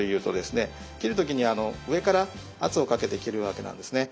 切る時に上から圧をかけて切るわけなんですね。